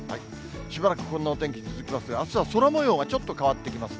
しばらくこんなお天気続きますが、あすは空もようがちょっと変わってきます。